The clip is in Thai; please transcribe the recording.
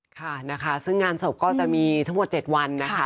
ค่ะนะคะซึ่งงานศพก็จะมีทั้งหมด๗วันนะคะ